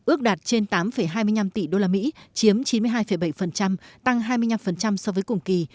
ước đạt trên tám hai mươi năm tỷ đô la mỹ chiếm chín mươi hai bảy tăng hai mươi năm so với cùng kỳ